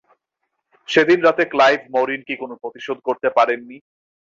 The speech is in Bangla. সেদিন রাতে ক্লাইড মরিন কী কোন প্রতিরোধ গড়তে পারেন নি?